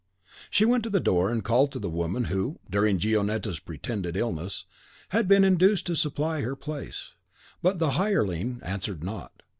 She went to the door and called to the woman who, during Gionetta's pretended illness, had been induced to supply her place; but the hireling answered not.